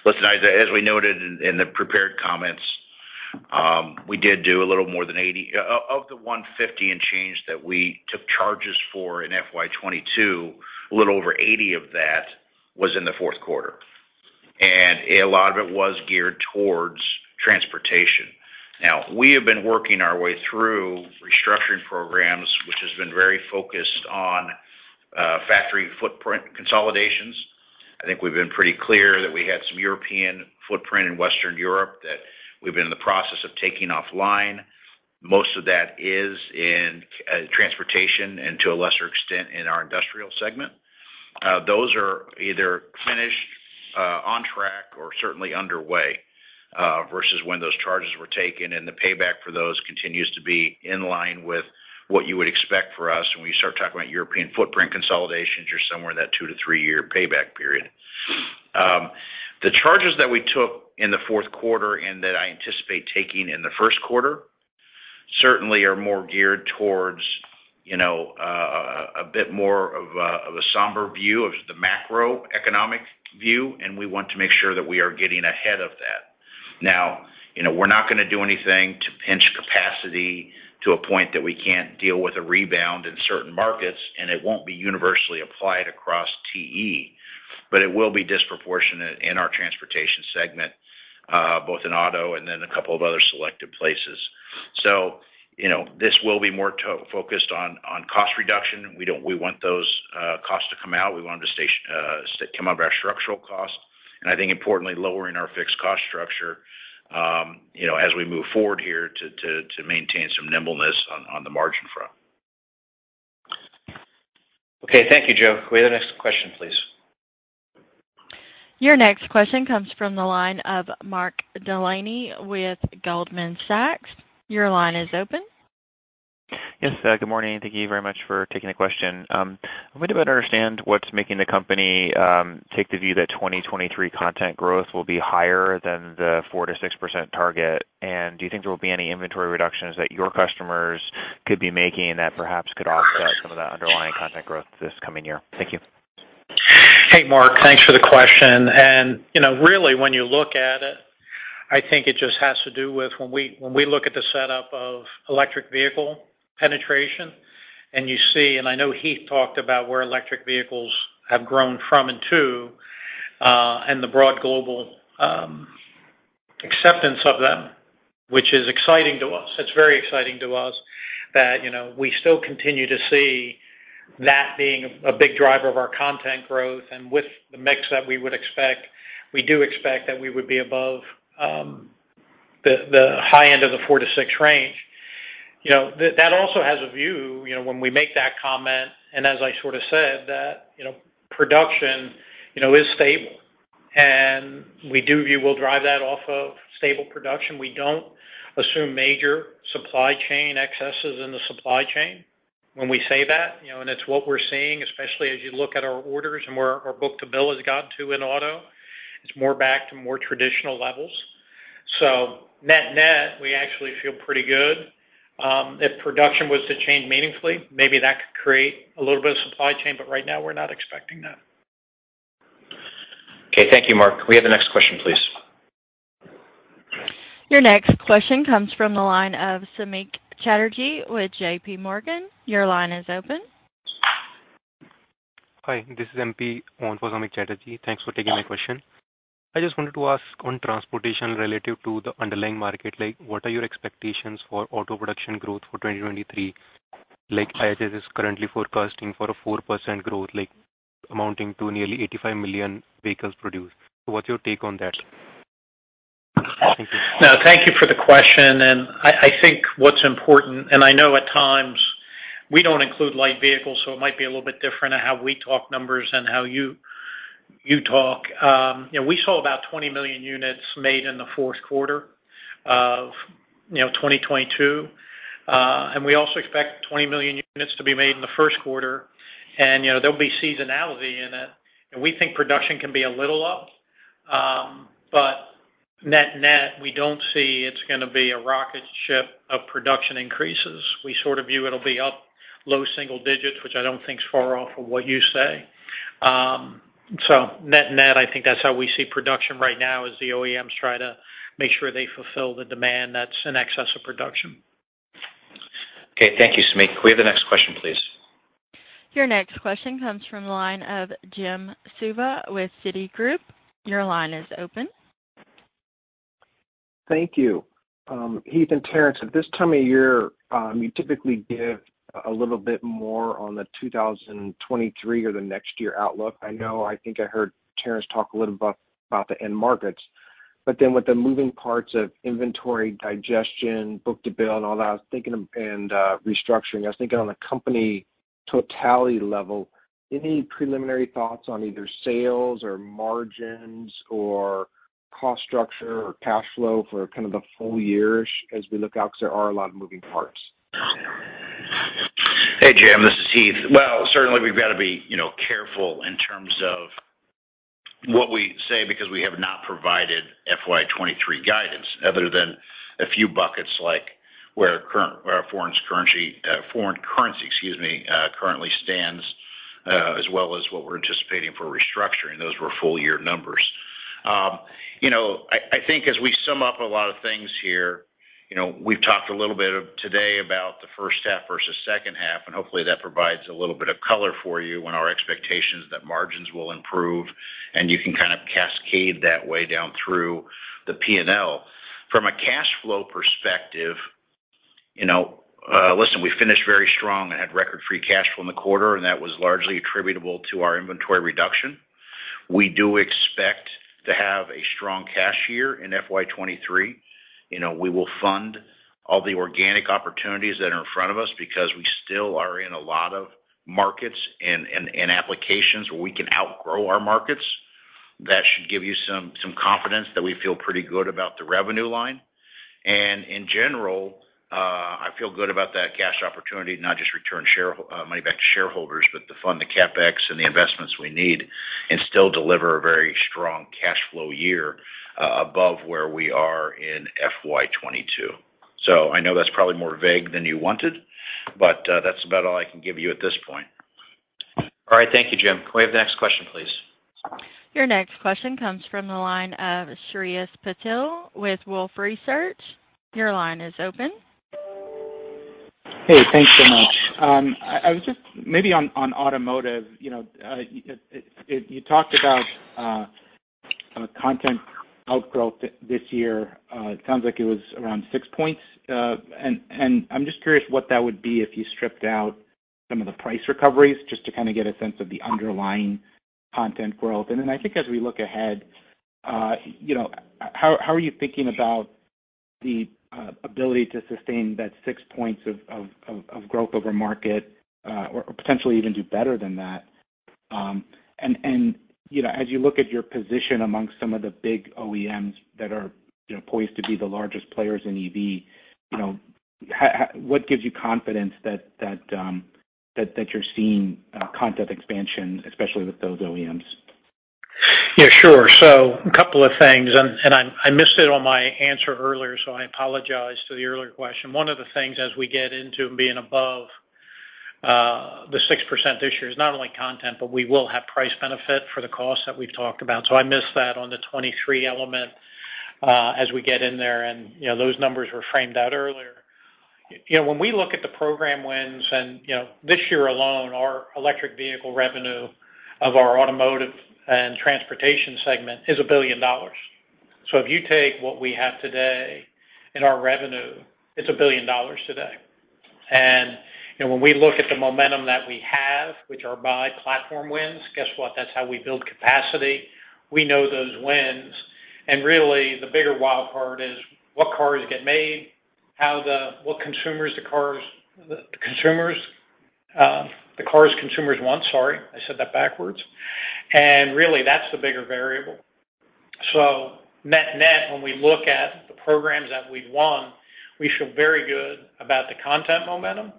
Listen, as we noted in the prepared comments, we did do a little more than $80 of the $150 and change that we took charges for in FY 2022, a little over $80 of that was in the fourth quarter, and a lot of it was geared towards transportation. Now, we have been working our way through restructuring programs, which has been very focused on factory footprint consolidations. I think we've been pretty clear that we had some European footprint in Western Europe that we've been in the process of taking offline. Most of that is in transportation and to a lesser extent in our industrial segment. Those are either finished, on track or certainly underway, versus when those charges were taken, and the payback for those continues to be in line with what you would expect for us. When we start talking about European footprint consolidations, you're somewhere in that two-three-year payback period. The charges that we took in the fourth quarter and that I anticipate taking in the first quarter certainly are more geared towards, you know, a bit more of a, of a somber view of the macroeconomic view, and we want to make sure that we are getting ahead of that. Now, you know, we're not gonna do anything to pinch capacity to a point that we can't deal with a rebound in certain markets, and it won't be universally applied across TE, but it will be disproportionate in our transportation segment, both in auto and then a couple of other selected places. You know, this will be more focused on cost reduction. We want those costs to come out. We want to come down our structural costs, and I think importantly, lowering our fixed cost structure, you know, as we move forward here to maintain some nimbleness on the margin front. Okay. Thank you, Joe. Can we have the next question, please? Your next question comes from the line of Mark Delaney with Goldman Sachs. Your line is open. Yes. Good morning. Thank you very much for taking the question. I want to better understand what's making the company take the view that 2023 content growth will be higher than the 4%-6% target. Do you think there will be any inventory reductions that your customers could be making that perhaps could offset some of that underlying content growth this coming year? Thank you. Hey, Mark. Thanks for the question. You know, really when you look at it, I think it just has to do with when we look at the setup of electric vehicle penetration, and you see, and I know Heath talked about where electric vehicles have grown from and to, and the broad global acceptance of them, which is exciting to us. It's very exciting to us that, you know, we still continue to see that being a big driver of our content growth. With the mix that we would expect, we do expect that we would be above the high end of the 4%-6% range. You know, that also has a view, you know, when we make that comment, and as I sort of said, that, you know, production, you know, is stable. We do view we'll drive that off of stable production. We don't assume major supply chain excesses in the supply chain when we say that, you know. It's what we're seeing, especially as you look at our orders and where our book-to-bill has gotten to in auto. It's more back to more traditional levels. Net-net, we actually feel pretty good. If production was to change meaningfully, maybe that could create a little bit of supply chain, but right now we're not expecting that. Okay. Thank you, Mark. Can we have the next question, please? Your next question comes from the line of Samik Chatterjee with JPMorgan. Your line is open. Hi, this is MP on for Samik Chatterjee. Thanks for taking my question. I just wanted to ask on transportation relative to the underlying market, like what are your expectations for auto production growth for 2023? Like, IHS is currently forecasting for a 4% growth, like amounting to nearly 85 million vehicles produced. What's your take on that? Thank you. No, thank you for the question. I think what's important, and I know at times we don't include light vehicles, so it might be a little bit different how we talk numbers and how you talk. You know, we saw about 20 million units made in the fourth quarter of 2022. We also expect 20 million units to be made in the first quarter. You know, there'll be seasonality in it, and we think production can be a little up. But net-net, we don't see it's gonna be a rocket ship of production increases. We sort of view it'll be up low single digits, which I don't think is far off of what you say. Net-net, I think that's how we see production right now as the OEMs try to make sure they fulfill the demand that's in excess of production. Okay. Thank you, Samik. Can we have the next question, please? Your next question comes from the line of Jim Suva with Citigroup. Your line is open. Thank you. Heath and Terrence, at this time of year, you typically give a little bit more on the 2023 or the next year outlook. I know, I think I heard Terrence talk a little about the end markets. With the moving parts of inventory digestion, book-to-bill and all that, I was thinking and restructuring. I was thinking on the company totality level, any preliminary thoughts on either sales or margins or cost structure or cash flow for kind of the full year-ish as we look out? Because there are a lot of moving parts. Hey, Jim, this is Heath. Well, certainly we've got to be, you know, careful in terms of what we say because we have not provided FY 2023 guidance other than a few buckets like where foreign currency currently stands, as well as what we're anticipating for restructuring. Those were full year numbers. I think as we sum up a lot of things here, you know, we've talked a little bit today about the first half versus second half, and hopefully that provides a little bit of color for you on our expectations that margins will improve and you can kind of cascade that way down through the P&L. From a cash flow perspective You know, listen, we finished very strong and had record free cash flow in the quarter, and that was largely attributable to our inventory reduction. We do expect to have a strong cash year in FY 2023. You know, we will fund all the organic opportunities that are in front of us because we still are in a lot of markets and applications where we can outgrow our markets. That should give you some confidence that we feel pretty good about the revenue line. In general, I feel good about that cash opportunity to not just return money back to shareholders, but to fund the CapEx and the investments we need and still deliver a very strong cash flow year above where we are in FY 2022. I know that's probably more vague than you wanted, but, that's about all I can give you at this point. All right. Thank you, Jim. Can we have the next question, please? Your next question comes from the line of Shreyas Patil with Wolfe Research. Your line is open. Hey, thanks so much. I was just maybe on automotive, you know, it you talked about kind of content growth this year. It sounds like it was around six points. I'm just curious what that would be if you stripped out some of the price recoveries just to kind of get a sense of the underlying content growth. I think as we look ahead, you know, how are you thinking about the ability to sustain that six points of growth over market, or potentially even do better than that. You know, as you look at your position among some of the big OEMs that are, you know, poised to be the largest players in EV, you know, how. What gives you confidence that you're seeing content expansion, especially with those OEMs? Yeah, sure. A couple of things, and I missed it on my answer earlier, so I apologize to the earlier question. One of the things as we get into being above the 6% this year is not only content, but we will have price benefit for the cost that we've talked about. I missed that on the 2023 element, as we get in there and, you know, those numbers were framed out earlier. You know, when we look at the program wins and, you know, this year alone, our electric vehicle revenue of our automotive and transportation segment is $1 billion. If you take what we have today in our revenue, it's $1 billion today. You know, when we look at the momentum that we have, which are by platform wins, guess what? That's how we build capacity. We know those wins. Really, the bigger wild card is what cars get made, the cars consumers want. Sorry, I said that backwards. Really, that's the bigger variable. Net-net, when we look at the programs that we've won, we feel very good about the content momentum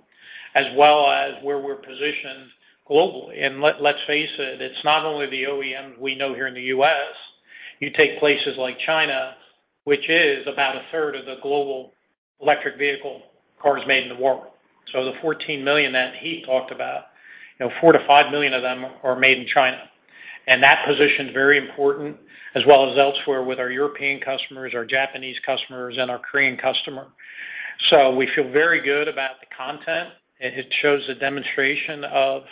as well as where we're positioned globally. Let's face it's not only the OEMs we know here in the U.S. You take places like China, which is about a third of the global electric vehicle cars made in the world. The 14 million that Heath talked about, you know, 4-5 million of them are made in China. That position is very important, as well as elsewhere with our European customers, our Japanese customers, and our Korean customer. We feel very good about the content. It shows a demonstration of,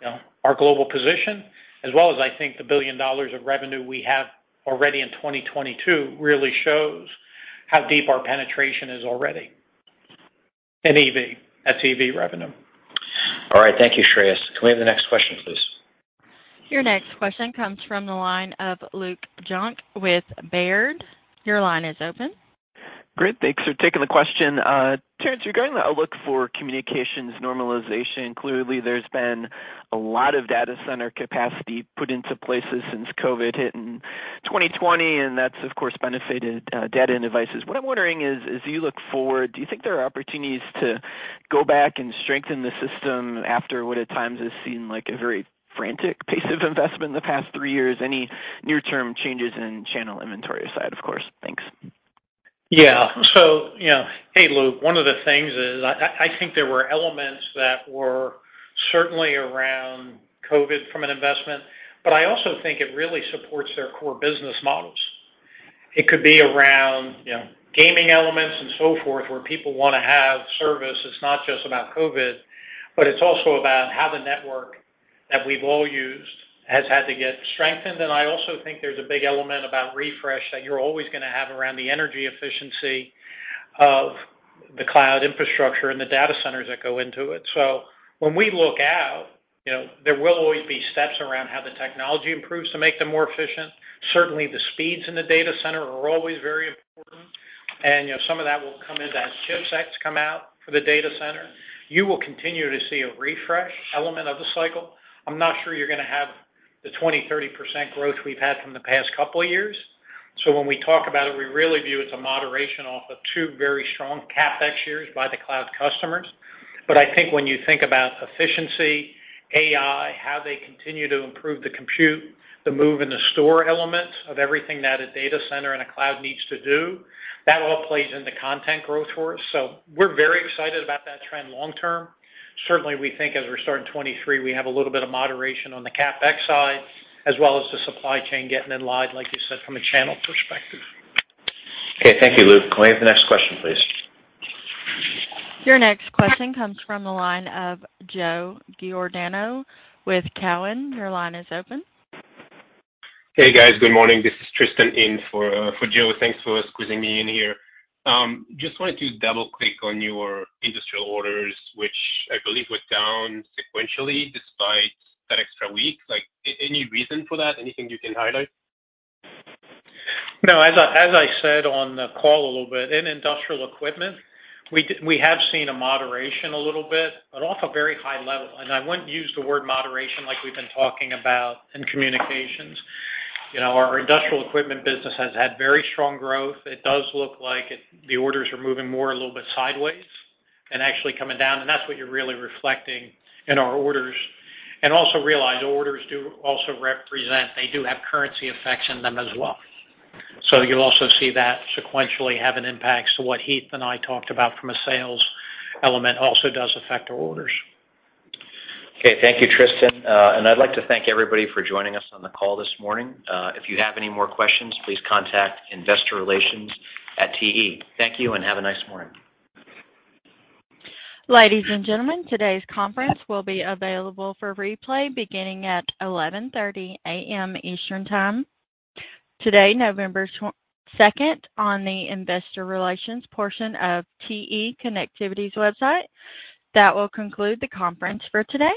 you know, our global position as well as I think the $1 billion of revenue we have already in 2022 really shows how deep our penetration is already in EV, that's EV revenue. All right. Thank you, Shreyas. Can we have the next question, please? Your next question comes from the line of Luke Junk with Baird. Your line is open. Great. Thanks for taking the question. Terrence, regarding the outlook for communications normalization, clearly there's been a lot of data center capacity put into places since COVID hit in 2020, and that's of course benefited, data and devices. What I'm wondering is, as you look forward, do you think there are opportunities to go back and strengthen the system after what at times has seemed like a very frantic pace of investment in the past three years? Any near-term changes in channel inventory side, of course. Thanks. Yeah. You know, hey, Luke, one of the things is I think there were elements that were certainly around COVID from an investment, but I also think it really supports their core business models. It could be around, you know, gaming elements and so forth, where people wanna have service. It's not just about COVID, but it's also about how the network that we've all used has had to get strengthened. I also think there's a big element about refresh that you're always gonna have around the energy efficiency of the cloud infrastructure and the data centers that go into it. When we look out, you know, there will always be steps around how the technology improves to make them more efficient. Certainly, the speeds in the data center are always very important. You know, some of that will come in as chipsets come out for the data center. You will continue to see a refresh element of the cycle. I'm not sure you're gonna have the 20%-30% growth we've had from the past couple of years. When we talk about it, we really view it as a moderation off of two very strong CapEx years by the cloud customers. But I think when you think about efficiency, AI, how they continue to improve the compute, the move and the store elements of everything that a data center and a cloud needs to do, that all plays into content growth for us. We're very excited about that trend long term. Certainly, we think as we're starting 2023, we have a little bit of moderation on the CapEx side, as well as the supply chain getting in line, like you said, from a channel perspective. Okay. Thank you, Luke. Can we have the next question, please? Your next question comes from the line of Joe Giordano with Cowen. Your line is open. Hey, guys. Good morning. This is Tristan in for Joe. Thanks for squeezing me in here. Just wanted to double-click on your industrial orders, which I believe were down sequentially despite that extra week. Like, any reason for that? Anything you can highlight? No. As I said on the call a little bit, in industrial equipment, we have seen a moderation a little bit, but off a very high level, and I wouldn't use the word moderation like we've been talking about in communications. You know, our industrial equipment business has had very strong growth. It does look like the orders are moving more a little bit sideways and actually coming down, and that's what you're really reflecting in our orders. Also realize orders do also represent they do have currency effects in them as well. You'll also see that sequentially have an impact to what Heath and I talked about from a sales element also does affect our orders. Okay. Thank you, Tristan. I'd like to thank everybody for joining us on the call this morning. If you have any more questions, please contact investor relations at TE. Thank you, and have a nice morning. Ladies and gentlemen, today's conference will be available for replay beginning at 11:30 A.M. Eastern Time today, November twenty-second, on the investor relations portion of TE Connectivity's website. That will conclude the conference for today.